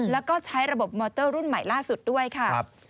แล้วก็ใช้ระบบมอเตอร์รุ่นใหม่ล่าสุดด้วยค่ะ